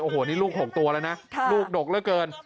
โอ้โหนี่ลูก๖ตัวแล้วนะลูกดกเหลือเกิน